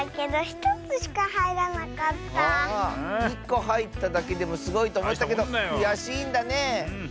１こはいっただけでもすごいとおもったけどくやしいんだね。